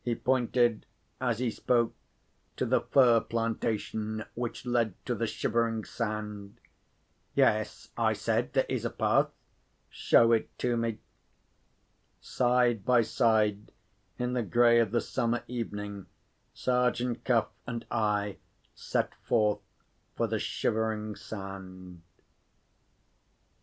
He pointed, as he spoke, to the fir plantation which led to the Shivering Sand. "Yes," I said, "there is a path." "Show it to me." Side by side, in the grey of the summer evening, Sergeant Cuff and I set forth for the Shivering Sand.